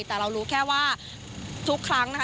แต่เรารู้แค่ว่าทุกครั้งนะคะ